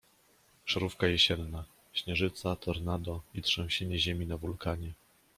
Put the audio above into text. Szarówka jesienna. Śnieżyca, tornado i trzęsienie ziemi na wulkanie.